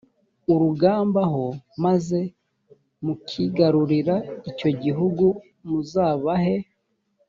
urugamba h maze mukigarurira icyo gihugu muzabahe